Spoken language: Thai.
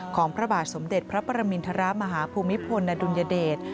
พระบาทสมเด็จพระปรมินทรมาฮภูมิพลอดุลยเดช